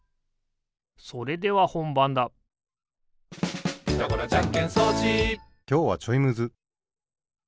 それではほんばんだきょうはちょいむず。